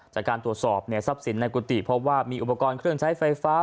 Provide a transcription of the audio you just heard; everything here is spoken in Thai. จากการตรวจสอบทรัพย์สินในกุฏิพบว่ามีอุปกรณ์เครื่องใช้ไฟฟ้า